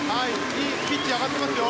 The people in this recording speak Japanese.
ピッチ上がってますよ。